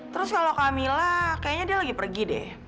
terus kalo kamila kayaknya dia lagi pergi deh